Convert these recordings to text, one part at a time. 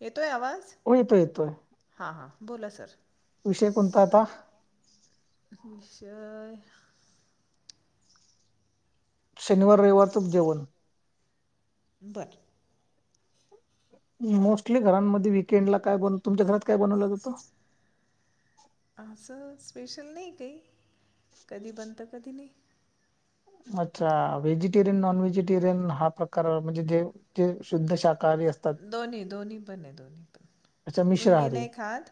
येतोय आवाज? हो येतोय येतोय हा हा बोला सर. विषय कोणता? आता. विषय शनिवार, रविवारच जेवण. बर. मोस्टली घरांमध्ये विकेंड ला काय बनवतो, तुमच्या घरात काय बनवलं जातं? असं स्पेशल नाही, काही कधी बनत, कधी नाही. अच्छा. व्हेजिटेरियन, नॉन व्हेजिटेरियन, हा प्रकार म्हणजे जे शुद्ध शाह दोन्ही, दोन्ही पण आहे, दोन्ही पण. अच्छा मुलगी मिश्राहारी नाही खात,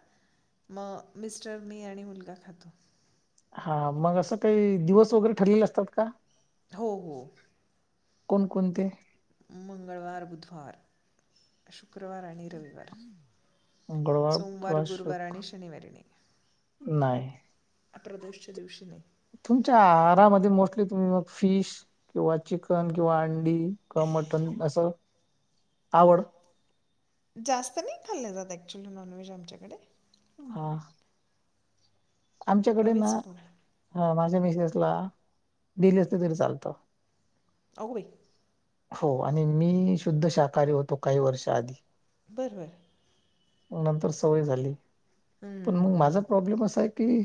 मग मिस्टर, मी आणि मुलगा खातो. हा. मग असं काही, दिवस वगैरे ठरलेले असतात का? हो हो. कोण, कोणते? मंगळवार, बुधवार, शुक्रवार आणि रविवार. मंगळवार सोमवार, बुधवार गुरवार आणि शुक्र शनिवारी नाही नाही. प्रदोषच्या दिवशी नाही. तुमच्या आहारामध्ये मोस्ट तुम्ही मग फिश, किंवा चिकन, किंवा अंडी, किंवा मटन, असं. तावड. जास्त नाही खाल्ले जात, ऍक्चुली नॉनव्हेज आमच्याकडे. हा. आमच्याकडे ना कमीच हो. ह मा मिसेसला डेली असलं तरी चालतं. अगो बाई! हो आणि मी शुद्ध शाकाहारी होतो, काही वर्ष आधी. बर बर. मग नंतर सवय झाली. हं पण हं मग हं माझा हं. प्रॉब्लेम असा आहे, की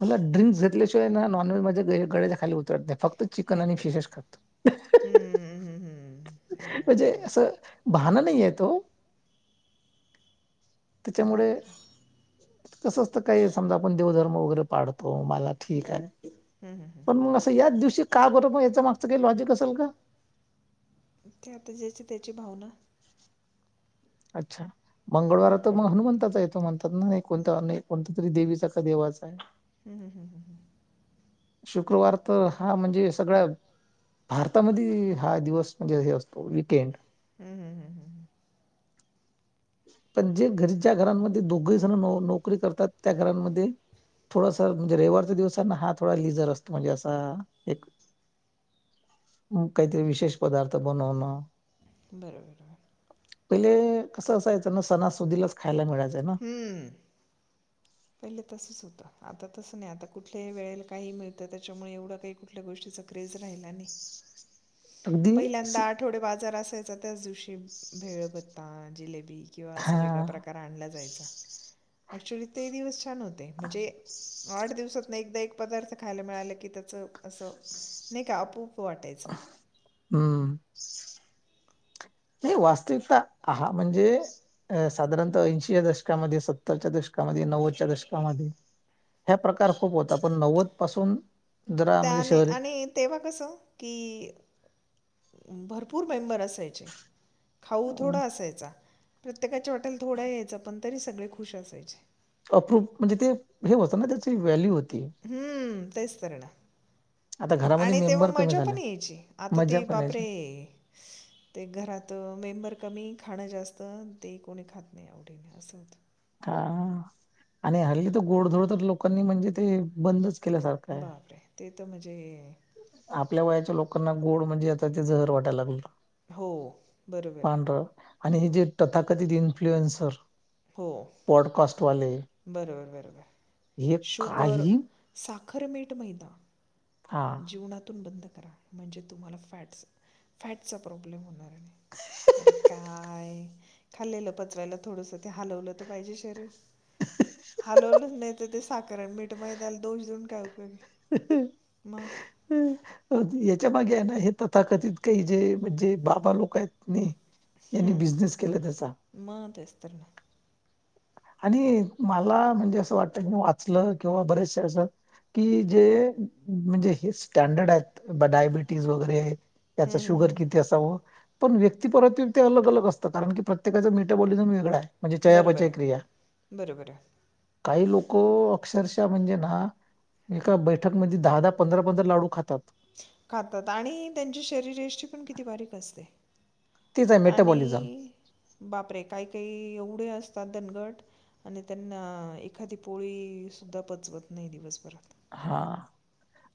मला ड्रिंक्स घेतल्याशिवाय ना, नॉनव्हेज माझ्या गळेच्या खाली उतरत नाही. फक्त चिकन आणि ह्यात तरी फिशच खातो. हं, हं, हं. बरोबर, म्हणजे बरोबर. असं भाणं नाही आहेत. त्यामुळे. बरोबर. तसं असतं काही समजा आपण देवधर्म वगैरे पाडतो. हो मला ठीक आहे हं, हं, हं, पण हं. मग असं याच दिवशी का ब मग. लॉजिक असेल का. ते आता ज्याची त्याची भावना. अच्छा मंगळवार तर मग हनुमंताचा येत. म्हणतात ना नाही कोणता कोणत तरी देवीचा का देवाचा आहे. हम्म हम् हम्म हम्म ह. शुक्रवार तर हा म्हणजे सगळ्या. भारतामध्ये हा दिवस म्हणजे हे असतो वकेंड. हम्म हम्म हम्म हम् ह. पण जे घरी ज्या घरांमध्ये दोघही जण नोकरी करतात त्या घरांमध्ये. थोडस म्हणजे रविवारच्या दिवसना हा थोडा लिझर असतो म्हणजे असा एक. काहीतरी विशेष पदार्थ बनवणं. बरोबरर. पहिले कसं असायचं ना सणासुदीलाच खायला मिळायच. हम्म. पहिले तसंच होतं आता तसं नाही आता कुठल्याही वेळेला काही मिळतं त्याच्यामुळे एवढं काही कुठल्या गोष्टीचा क्रेज. अगदी पहिल्यांदा सि आठवडी बाजार. त्याचा त्याच दिवशी भेळ भत्ता जिलेबी. किंवा अस हा वेगळा प्रकार आणला जायचा ऍक्चुली ते दिवस छान होते म्हणजे. आठ दिवसात ना एकदा एक पदार्थ खायला मिळालं की त्याचं असं नाही का आपूप. हम्म. नाही वास्तविकता हा म्हणजे अ साधारणतः ऐंशीच्या दशकामध्ये सत्तरच्या दशक. नव्वदच्या दशकामध्ये ह्या प्रकार खूप होता पण नव्वद पासून. जरा म्हणजे त्याने शहर आणि तेव्हा कसं की. भरपूर मेंबर असायचे खाऊ थोडा असायचा. प्रत्येकाच्या वाटेल थोडा यायचा पण तरी सगळे खुश असायचे. अप्रुव म्हणजे ते हे होतं ना त्याची व्हॅल्यू होती. हम्म तैस्तरणा. आता घरामध्ये आणि तेव्हा मेंबर कमी मज्जा झाला पण यायची आता मज्जा ती पण यायची बापरे. ते घरात मेंबर कमी खाणं जास्त ते कोणी खात नाही आवडी नाही असं. हा आणि हल्ली तर गोडधोड तर लोकांनी म्हणजे ते बंदच. बापर आहे ते तर म्हणजे. आपल्या वयाच्या लोकांना गोड म्हणजे आता ते झहर वाटायला लागलं. हो बरोबर आहे. पांढरं आणि हे जे तथाकथित इन्फ्लुएन्सर. हो पॉडकास्ट वाले बरोबर बरोबर हे शुगर. काही खरं मीठ मैदा हा जीवनातून बंद कर. म्हणजे तुमला फ फॅचा प्रॉब्लेम होणार. अरे काय खाल्लेलं पचवायला थोडस ते हलवलं. शरीर हलवलं नाही. साखरण मीठ मई दाल दोष देऊन काय उपयोगी. ह अ. त्याच्या मागे आहे ना हे तथाकथित काही जे म्हणजे बाबा लोक आहेत नाही. यांनीनी बिझनेस केला त्याचा. मग तेच तर ना आणि मला म्हणजे असं वाटत की वाचलं किंवा बरेचसे असं कि जे म्हणजे हे स्टँडर्ड आहेत. डायबिटीज वगैरे, त्याच हं, हं, हं, शुगर हं. किती असावं? पण व्यक्ती परत ते ते अलग अलग असत कारण की प्रत्येकाचा मेटाबॉलिजम वेगळय म्हणजे चयापचय क्रिया बरोबरं ये. काही लोक अक्षरशा म्हणजे ना. एका बैठक मध्ये दहा दहा पंधरा पंधरा लाडू खातात. खातात. आणि त्यांची शरीरष्टी पण किती बारीक असते. तेच आहे मेटाबॉलिझम आणि बापरे! काही काही एवढे अस [unintelligible] गट आणि त्यांना एखादी पोळी सुद्धा पचवत नाही दिवसभरात. हा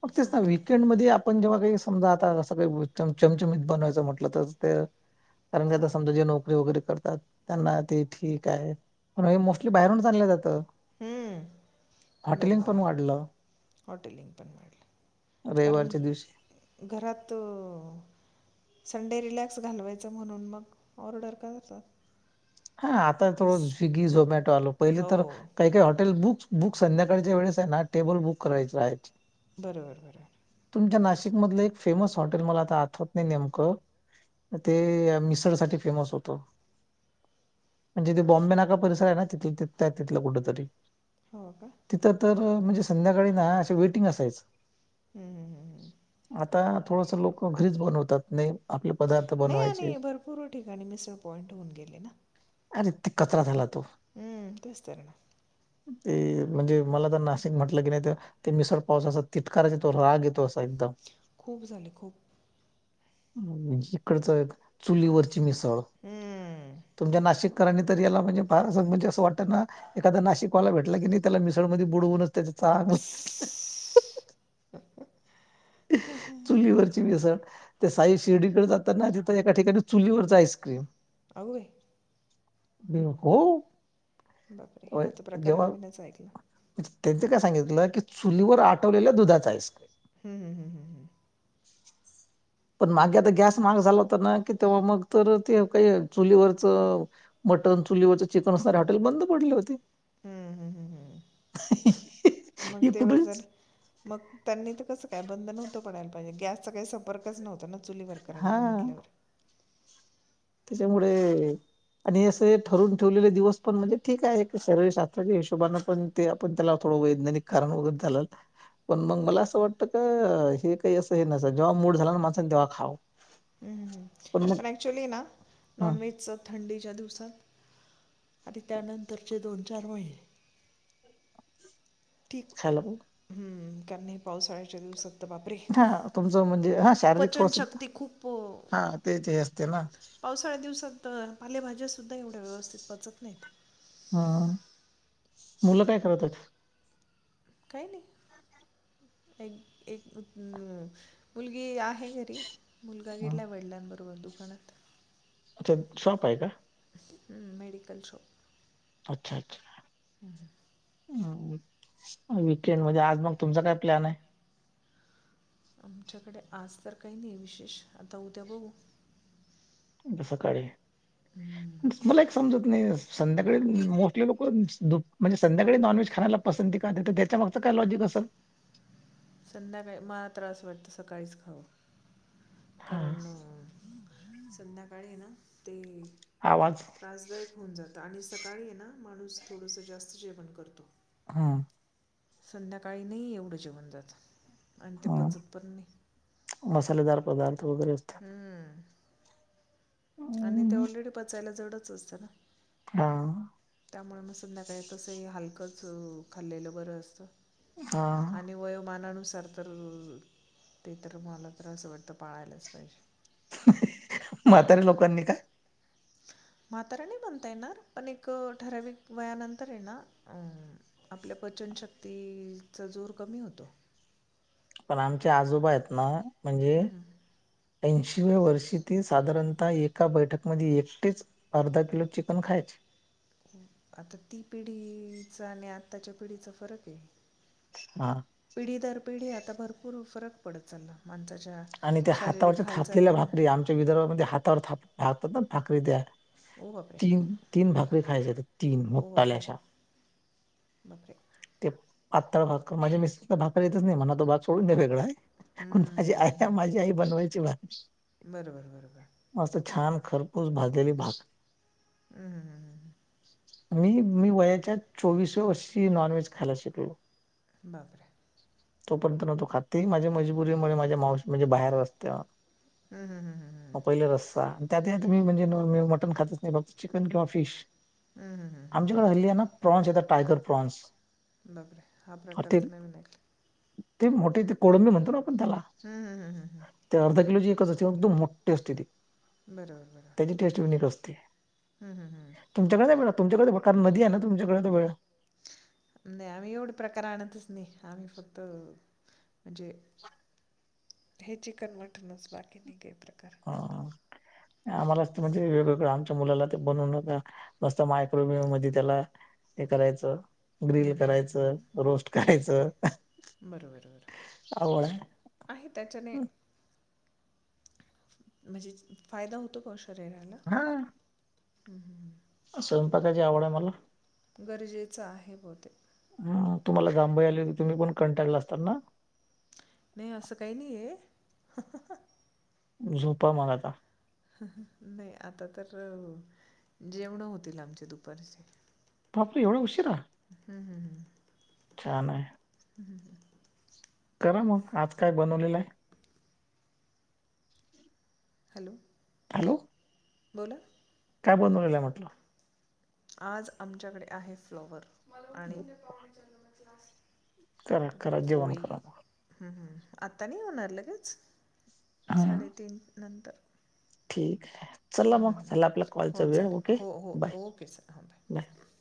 मग असं तेच ना होतं विकेंड मध्ये आपण जेव्हा. समजा आता अस काही चमचमीत बनवायचं म्हटलं तर ते कारण की आता समजा जे नोकरी वगैरे करतात त्यांना ते ठीक आहे. पण हे मोस्टली बाहेरून आणलं जात. हम्म हॉटेलिंग बरोबर पण आहे. वाढलं. हॉटेलिंग पण वाढलं कारण रविवारच्या दिवशी. घरात संडे रिलॅक्स घालवायचं म्हणून मग ऑर्डर करतात. हा आता की थोडं स- स्विगी झोमॅटो आलो पहिले हो तर काही काही हॉटेल बुक बुक संध्याकाळच्या वेळेस आहे ना टेबल बुक करायचं राहायचं. बरोबर बरोबर. नाशिक मधलं एक फेमस हॉटेल मला आता आठवत नाही नेमकं ते मिसळ साठी फेमस होत. म्हणजे तेे बॉम्बे नाका परिसर आहे ना तिथे त्या तिथ तिथलं कुठ तरी? हो का? हो म्हणजे संध्याकाळी ना अस वेटिंग असायच. हम्म हम्म आता थोडस लोक घरीच बनवतात. नाही आपले पदार्थ नाही बनवायचे आणि भरपूर ठिकाणी मिसळ पॉइंट होऊन गेले ना. अरे ती कचरा झाला तो. हम्म तेस्तर ना. ते म्हणजे मला तर नाशिक म्हटलं की नाही त ते मिसळ पावचा असा तितकाच यतो राग येतो असा एकदम. खूप झाले खूप. इकडच चुलीवरची मिसळ. हम्म नाशिक कराने तर याला म्हणजे फार म्हणजे असं वाटतं ना एखादा नाशिकवाला भेटला की नी त्याला मिसळमध्ये बुडवूनच त्याच चागलं चुलीवररची मिसळ. ते साई शिर्डीकडे जाताना तिथं एका ठिकाणी चुलीवरच आईस्क्रीम. अग बाई! बे हो. बापरे! अ, हा त प्रकार नवीनच ऐकला. त्यांच काय सांगितलं की चुलीवर आठवलेल्या दुधाचा आईस्क्रीम. हम्म हम्म हम्म हम्म. पण मागे आता बरं गॅस महाग झाला होता ना. तेव्हा मग तर ते काही चुलीवरच मटन चुलीवरच चिकन असणारे हॉटेल बंद पडले होते. हम्म हम्म हम्म हम्म [inaudible] मग तेव्हा तर कुठेच मग त्यांनी तर कस काय? बंद नव्हत पडायला पाहिजे गॅस चा काही संपर्कच नव्हता न चुली वर हा करणार म्हटल्यावर. त्याच्यामुळे आणि असे ठरून ठेवले ले दिवस पण म्हणजे ठीक आहे एक शरीर शास्त्राच्या हिशोबान पण ते आपण त्या अथो वैज्ञानिक कारण वगैरे चालेल. पण मग मला असं वाटतं का हे काही असं हे न जेव्हा मूड झाला ना माणसाने तेव्हा खा. हहह पण एक्च्युअली ना ह नॉनव्हेजच थंडीच्या दिवसात आणि त्यानंतरचे दोन चार महिने. ठीक खायला पाहिजे हम्म कारण या पावसाळ्याच्या दिवसात तर बापरे हा तुमचं म्हणजे हा शारीरिक थोडस पचनशक्ती खूप हा ते ते असते ना. पावसाळ्याच्या दिवसात अ पालेभाज्या सुुद्धा एवढ्या व्यवस्थित पचत नाहीत. हा मुलं काय करत्यात? काय नाही. एक एक अ मुलगी आहे घरी. मुलगा हं. गेलाय वडिलांबरोबर दुकानात. अच्छा शाॅप आहे का? हम् मेडीकल शॉप अच्छा अच्छा हम् हम् मग वीकेंड मध्ये आज मग तुमचा काय प्लॅन हाय? आमच्याकडे आज तर काही नाही विशेष आता उद्या बघू. उद्या सकाळी. हम्म. मला एक समजत नाही संध्याकाळी मोठी लोक दुप म्हणजे संध्याकाळी नॉनव्हेज खायला पसंती का देतात त्याच्या माग काय लॉजिक असल? संध्याकाळी मला तर अस वाटतं सकाळीच खाव हां, कारण अ संध्याकाळी ये ना ते आवाज. त्रासदायक होऊन जात आणि सकाळी ये ना माणूस थोडंसं जास्त जेवण करतो. हा संध्याकाळी नही एवढं जेवण जात. आणि ते हं. पचत पण नही. मसालेदार पदार्थ वगैरे असतात. आणि ते अं, ऑलरेडी पचायला जडचं असतं ना. हा. त्यामुळ मग संध्याकाळी तसंही हलकंच अ खाल्लेलं बरं असतं. हां. आणि वयोमानानुस सार असाल तर, ते तर मला तर असं वाटतं पाळायलाच पाहिजे. म्हातारे लोकांनी का? म्हाताऱ्या नाय म्हणता येणार पण एक ठराविक वयानंतर ये ना अ आपल्या प पचनशक्तीचा जोर कमी होतो. पण आमचे आजोबा आहेत ना म्हणजे हम्म. ऐंशीव्या वर्षी ते साधारणतः एका बैठक मध्ये एकटेच अर्धा किलो चिकन खायचे. [inaudible] आता ती पिढीचा आणि आत्ताच्या पिढीचा फरक ये हा. ती दर पिढी आता भरपूर फरक पडत चालला माणसा आणि त्या हातावरच्या थापलेल्या भाकरी आमच्या विदर्भामध्ये हातावर थाप थापतात ना भाकरी त्या ओ बापरे तीन तीन भाकरी खायच्या त्या तीन ओ मोठ्याल्या अश्या बापरे बापरे! पाातळ भाकर माझ्या मिसेसला भाकरी येतंच नाय म्हणा तो भाग सोडून द्या वेगळा पण माझी आय हं. झी आई बनवायची भाकरी. बरोबर बरोबर. मस्त छान खरपूस भाजलेली भाकर हम्म हम्म मी मी वयाच्या चोवीसव्या वर्षी नॉनव्हेज खायला शिकलो. बापरे! तोपर्यंत नव्हतो खात ते माझ्या मजबुरीमुळे माझ्या मावशी म्हणजे बाहेरच असतेया. हम्म हम्म हम्म हम्मम्म त्यातही तुम्ही म्हणजे [unintelligible] मटन खातच नाय, फक्त चिकन किंवा फिश. हम्म हम्म हम्म हम्म. आमच्याकडे हल्ली आहे ना प्रॉन्स येतात, टायगर प्रॉन्स. बापरे! हा प्रकार ते तर नवीन आहे. ते मोठी, ते कोळंबी म्हणतो ना आपण त्याला, हं, हं, हं, हं, हं. ते अर्धा किलोची तशी ती एकदम मोठी असते ती, त्याची टेस्ट युनिक असते. हम्म हम्म हम्म... तुमच्याकडे नाही मिळत तुमच्याकडे [unintelligible] कारण नदी आहे ना तुमच्याकडे तरे नाही. आम्ही एवढे प्रकार आणतच नाही, आम्ही फक्त म्हणजे हे चिकन मटनच, बाकी नाही काही प्रकार. हा. आम्हाला असतं म्हणजे वेगवेगळं, आमच्या मुलाला ते बनवू नका, नुसता मायक्रोवेव्ह मध्ये त्याला हे करायचं, हं, ग्रिल हं, हं, करायचं, हं. रोस्ट बरं. करायचं. बरोबर, बरोबर. आवळा आहे? आहे त्याच्याने हम्.. म्हणजे, फायदा होतो का ओ शरीराला? हा हम् हम.. स्वयंपाकाची आवड आहे मला. गरजेचं आहे, बहूतेक ह.. तुम्हाला जांभई आली होती, तुम्ही पण कंटाळला असताल ना? नाही, असं काही नाही आहे. झोपा मग, आता. नाही आता तर, जेवणं होतील आमचे दुपारचे. बापरे! एवढ्या उशीरा? छान आहे. हम् हम् ह्... करा मग! आज काय बनवलेलं आहे? हॅलो. हॅलो. बोला. काय बनवलेलं आहे म्हटलं? आज, आमच्याकडे आहे फ्लॉवर आणि करा, करा! जेवण करा! आता नाही होणार लगेच? हा साडेतीन नंतर. ठीक आहे. ह्.. चला मग ह्.. झाला आपला हम, हो कॉलचा वेळ चालेल, ओके हो-हो बाय ओके सर. हा बाय!